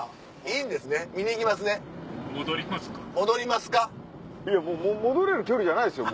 いや戻れる距離じゃないですよ。